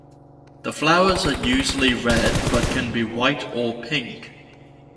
The flowers are usually red, but can be white or pink.